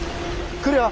来るよ。